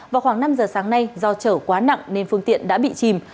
vào khoảng năm giờ sáng nay do chở quá nặng nên phương tiện đã bị chìm